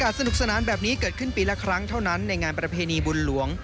สนุกสนานแบบนี้เกิดขึ้นปีละครั้งเท่านั้นในงานประเพณีบุญหลวง